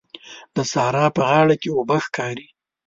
د سارا په غاړه کې اوبه ښکاري.